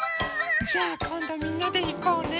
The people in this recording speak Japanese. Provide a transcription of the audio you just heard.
じゃあこんどみんなでいこうね。